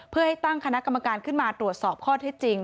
เพื่อให้ตั้งคณะกรรมการขึ้นมาตรวจสอบข้อเท็จจริง